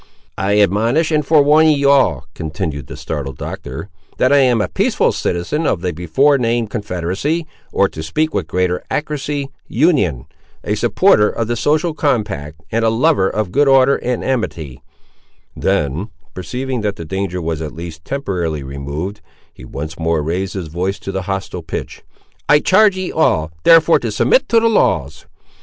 "I admonish and forewarn ye all," continued the startled Doctor, "that I am a peaceful citizen of the before named Confederacy, or to speak with greater accuracy, Union, a supporter of the Social Compact, and a lover of good order and amity;" then, perceiving that the danger was, at least, temporarily removed, he once more raised his voice to the hostile pitch,—"I charge ye all, therefore, to submit to the laws."